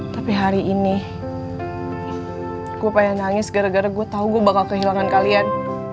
tapi hari ini gue pengen nangis gara gara gue tau gue bakal kehilangan kalian